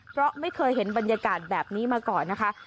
เพราะไม่เคยเห็นบรรยากาศแบบนี้มาก่อนนะคะ